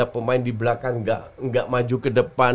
pemain di belakang gak maju ke depan